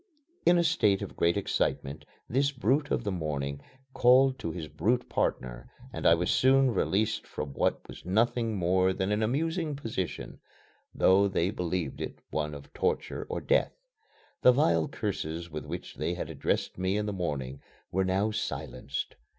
In a state of great excitement this brute of the morning called to his brute partner and I was soon released from what was nothing more than an amusing position, though they believed it one of torture or death. The vile curses with which they had addressed me in the morning were now silenced.